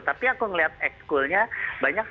tapi aku melihat ekskulnya banyak sih